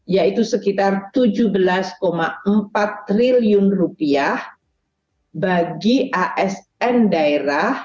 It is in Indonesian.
yaitu sekitar tujuh belas empat triliun rupiah bagi asn daerah